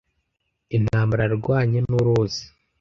Intambara yarwanye nuruzi.